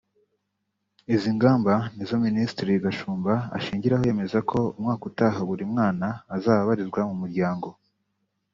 Izi ngamba nizo Minisitiri Gashumba ashingiraho yemeza ko umwaka utaha buri mwana azaba abarizwa mu muryango